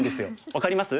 分かります？